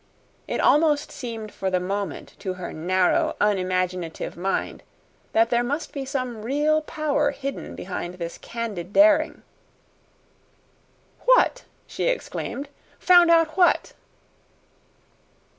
It almost seemed for the moment to her narrow, unimaginative mind that there must be some real power hidden behind this candid daring. "What?" she exclaimed. "Found out what?"